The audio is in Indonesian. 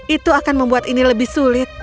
itu akan membuat ini lebih sulit